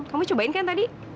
kamu cobain kan tadi